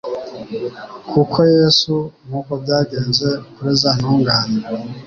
Kuri Yesu, nkuko byagenze kuri za ntungane